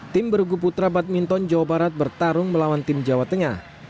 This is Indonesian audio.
tim bergu putra badminton jawa barat bertarung melawan tim jawa tengah